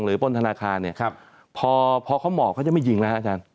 หรือป้นธนาคารเนี่ยพอเขามอบเขาจะไม่ยิงนะฮะอาจารย์